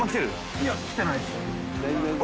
いや来てないですよ。